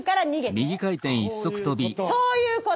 こういうこと。